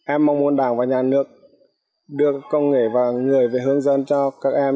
em mong muốn đảng và nhà nước đưa công nghệ và người về hướng dẫn cho các em